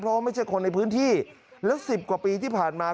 เพราะว่าไม่ใช่คนในพื้นที่แล้ว๑๐กว่าปีที่ผ่านมา